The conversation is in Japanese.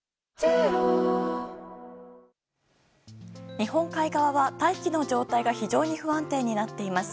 日本海側は大気の状態が非常に不安定になっています。